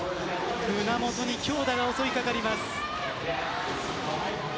胸元に強打が襲いかかります。